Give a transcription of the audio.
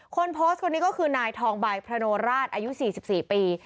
คนโพสต์คนนี้ก็คือนายทองใบพระโนราชอายุ๔๔ปี